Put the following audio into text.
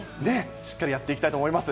しっかりやっていきたいと思います。